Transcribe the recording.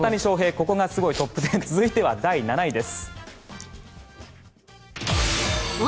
ここがスゴイトップ１０続いては第７位です。